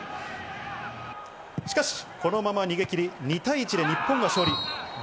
しかしこのまま逃げ切り、２対１で日本が勝利。